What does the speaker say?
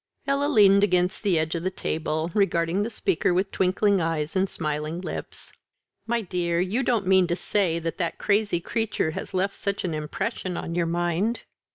Ella leaned against the edge of the table, regarding the speaker with twinkling eyes and smiling lips. "My dear, you don't mean to say that that crazy creature has left such an impression on your mind?"